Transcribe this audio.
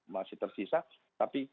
masih tersisa tapi